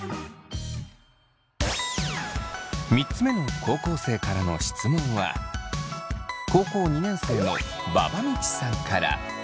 ３つ目の高校生からの質問は高校２年生のばばみちさんから。